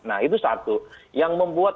nah itu satu yang membuat